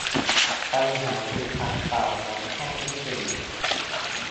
ปัญหาถูกปัดเป่าอย่างคาดไม่ถึง